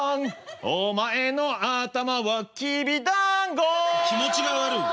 おまえのあたまはきびだんご気持ちが悪い。